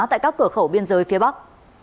tại các cửa khẩu biên giới phía bắc